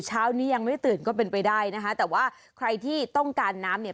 เช้านี้ยังไม่ตื่นก็เป็นไปได้นะคะแต่ว่าใครที่ต้องการน้ำเนี่ย